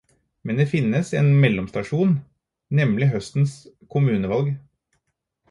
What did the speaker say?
Men det finnes en mellomstasjon, nemlig høstens kommunevalg.